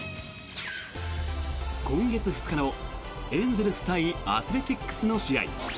今月２日のエンゼルス対アスレチックスの試合。